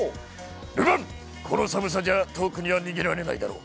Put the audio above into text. ルパン、この寒さじゃ遠くには逃げられないだろう。